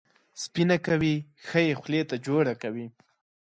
سپینه کوي، ښه یې خولې ته جوړه کوي.